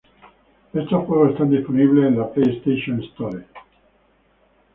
Estos juegos están disponibles en la PlayStation Store.